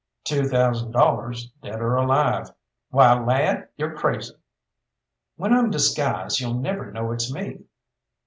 "Two thousand dollars dead or alive! Why, lad, you're crazy." "When I'm disguised you'll never know it's me."